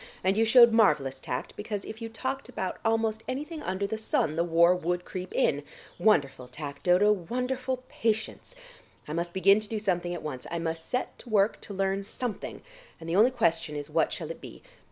"And you showed marvellous tact, because if you talked about almost anything under the sun the war would creep in. Wonderful tact, Dodo; wonderful patience! I must begin to do something at once; I must set to work to learn something, and the only question is what shall it be.